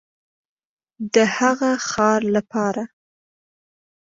د هغه ښار لپاره